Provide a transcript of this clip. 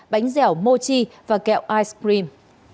bánh dẻo mochi và kẹo ice cream